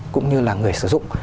cũng như là người sử dụng